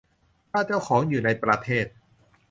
ถ้าเจ้าของอยู่ในประเทศ